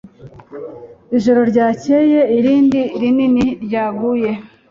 Ijoro ryakeye irindi rinini ryaguye.